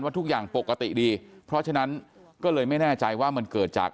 ทุกอย่างปกติดีเพราะฉะนั้นก็เลยไม่แน่ใจว่ามันเกิดจาก